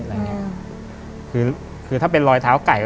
แบบนี้คือถ้าเป็นรอยเท้าไก่